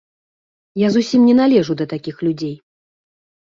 Я зусім не належу да такіх людзей!